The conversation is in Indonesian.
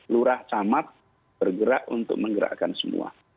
lurah camat bergerak untuk menggerakkan semua